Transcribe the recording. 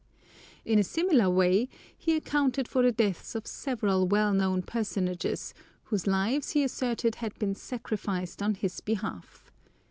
In a similar way he accounted for the deaths of several well known personages whose lives he asserted had been sacrificed on his behalf.